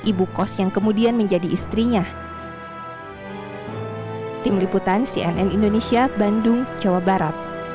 ibu kos yang kemudian menjadi istrinya